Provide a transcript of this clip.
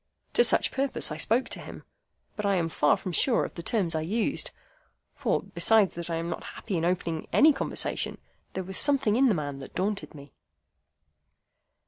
To such purpose I spoke to him; but I am far from sure of the terms I used; for, besides that I am not happy in opening any conversation, there was something in the man that daunted me.